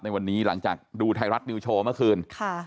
ในวันนี้หลังจากดูไทยรัฐนิวโชว์เมื่อคืน